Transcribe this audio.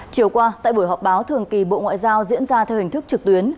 chiều qua tại buổi họp báo thường kỳ bộ ngoại giao diễn ra theo hình thức trực tuyến